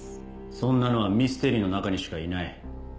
そんなのはミステリの中にしかいない。